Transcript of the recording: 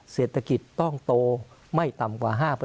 เศรษฐกิจต้องโตไม่ต่ำกว่า๕